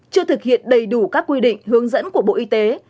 chưa thực hiện đầy đủ các quy định hướng dẫn của bộ y tế